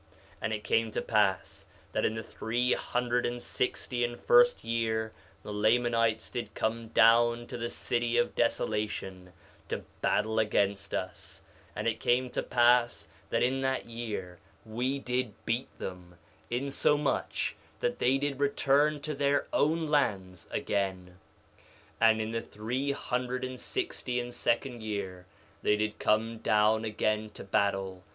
3:7 And it came to pass that in the three hundred and sixty and first year the Lamanites did come down to the city of Desolation to battle against us; and it came to pass that in that year we did beat them, insomuch that they did return to their own lands again. 3:8 And in the three hundred and sixty and second year they did come down again to battle.